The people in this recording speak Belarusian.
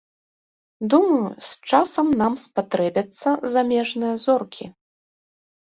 Думаю, з часам нам спатрэбяцца замежныя зоркі.